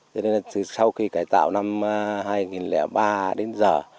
cho nên là từ sau khi cải tạo năm hai nghìn ba đến giờ